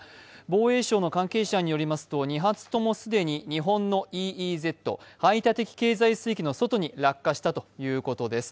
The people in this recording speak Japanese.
防衛省の関係者によりますと、２発とも既に日本のＥＥＺ＝排他的経済水域の外に落下したということです。